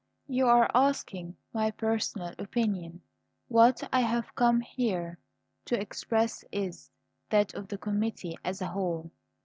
"You are asking my personal opinion. What I have come here to express is that of the committee as a whole."